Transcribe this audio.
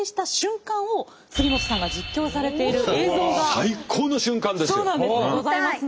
最高の瞬間ですよ。